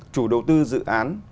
chủ đầu tư dự án